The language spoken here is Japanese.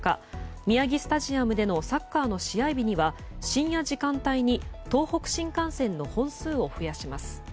宮城スタジアムでのサッカーの試合日には深夜時間帯に東北新幹線の本数を増やします。